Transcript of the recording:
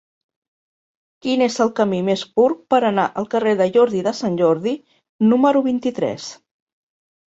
Quin és el camí més curt per anar al carrer de Jordi de Sant Jordi número vint-i-tres?